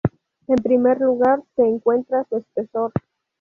En primer lugar, se encuentra su espesor.